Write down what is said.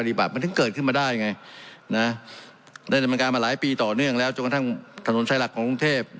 ได้ดำเนินการมาหลายปีต่อเนื่องแล้วจนกระทั่งถนนไชรักษ์ของกรุงเทพฯ